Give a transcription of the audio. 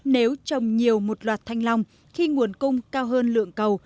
nếu trồng nhiều một loạt thanh long khi nguồn cung cao hơn lượng cầu